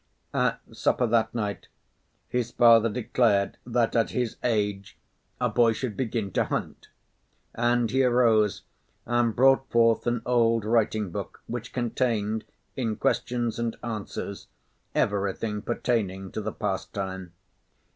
At supper that night, his father declared that at his age a boy should begin to hunt; and he arose and brought forth an old writing book which contained, in questions and answers, everything pertaining to the pastime.